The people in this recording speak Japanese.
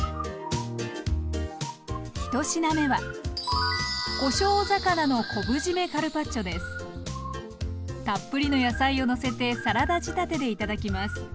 一品目はたっぷりの野菜をのせてサラダ仕立てで頂きます。